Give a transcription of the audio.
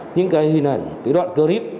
những cái hình ảnh cái đoạn clip